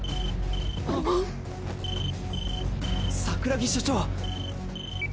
サクラギ所長。